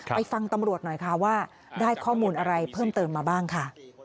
ไปฟังตำรวจหน่อยค่ะว่าได้ข้อมูลอะไรเพิ่มเติมมาบ้างค่ะ